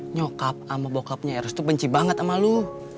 nyokap sama bokapnya eros tuh benci banget sama lu